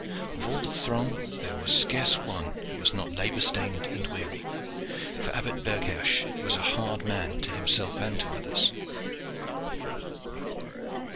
Of all the throng there was scarce one who was not labor stained and weary, for Abbot Berghersh was a hard man to himself and to others.